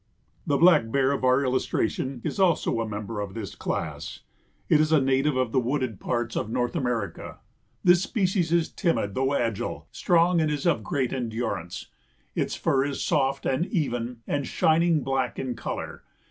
The Black Bear of our illustration is also a member of this class. It is a native of the wooded parts of North America. This species is timid though agile, strong and is of great endurance. Its fur is soft and even and shining black in color.